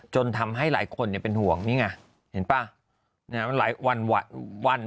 จนทำให้หลายคนเนี่ยเป็นห่วงนี่ไงเห็นป่ะ